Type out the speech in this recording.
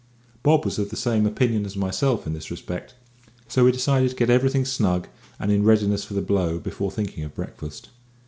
Bob was of the same opinion as myself in this respect, so we decided to get everything snug and in readiness for the blow before thinking of breakfast.